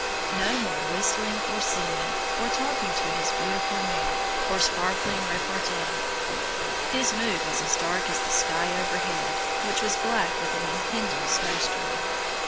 No more whistling or singing, or talking to his beautiful mare, or sparkling repartee. His mood was as dark as the sky overhead, which was black with an impending snowstorm.